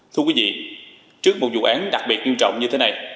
thưa quý vị trước một vụ án đặc biệt nghiêm trọng như thế này